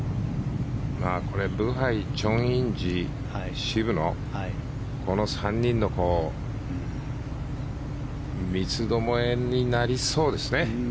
ブハイ、チョン・インジ渋野この３人の三つどもえになりそうですね。